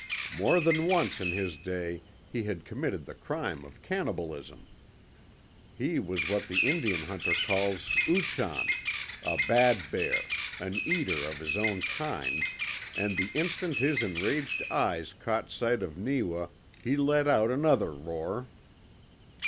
More than once in his day he had committed the crime of cannibalism. He was what the Indian hunter calls uchan a bad bear, an eater of his own kind, and the instant his enraged eyes caught sight of Neewa he let out another roar.